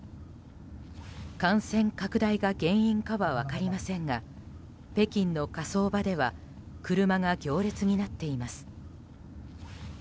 感染拡大が原因かは分かりませんが北京の火葬場では車が行列になっています。